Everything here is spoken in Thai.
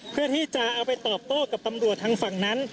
เพื่อที่จะเอาไปตอบโต้กับตำรวจทางฝั่งนั้น